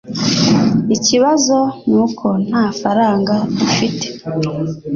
Ikibazo nuko nta faranga dufite.